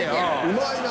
うまいな。